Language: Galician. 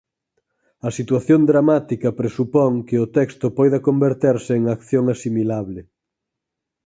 A situación dramática presupón que o texto poida converterse en acción asimilable.